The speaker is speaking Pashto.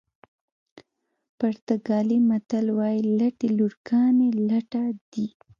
پرتګالي متل وایي لټې لورګانې لټه دي.